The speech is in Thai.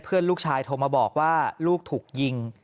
ลูกชายโทรมาบอกว่าลูกถูกยิง